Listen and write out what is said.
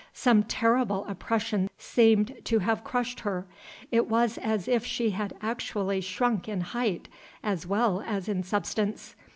Some terrible oppression seemed to have crushed her. It was as if she had actually shrunk in height as well as in substance.